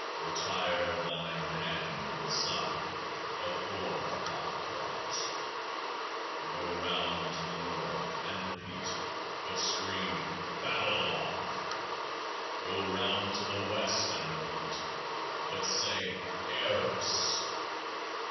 Retire thine hand in the sign of Hoor pa kraat. 34 Go round to the North and repeat ; but scream BABAAON. Go round to the West and repeat ; but say EPQC.